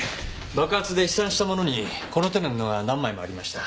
爆発で飛散したものにこの手の布が何枚もありました。